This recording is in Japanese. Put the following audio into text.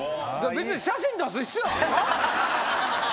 別に写真出す必要あるか？